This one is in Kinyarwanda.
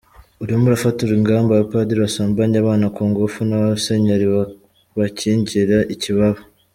Urimo urafatira ingamba abapadiri basambanya abana ku ngufu n’abasenyeri babakingira ikibaba.